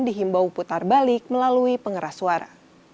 dihimbau putar balik melalui pengeras suara